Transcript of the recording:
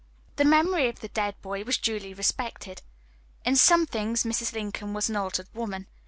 The memory of the dead boy was duly respected. In some things Mrs. Lincoln was an altered woman.